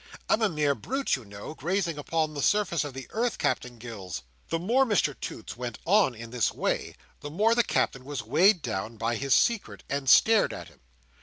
I'm a mere brute you know, grazing upon the surface of the earth, Captain Gills." The more Mr Toots went on in this way, the more the Captain was weighed down by his secret, and stared at him.